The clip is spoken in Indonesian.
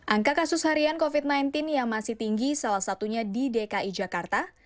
angka kasus harian covid sembilan belas yang masih tinggi salah satunya di dki jakarta